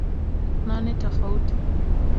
nane tofauti